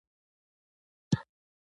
د نقد پر وړاندې نه د بل اوري.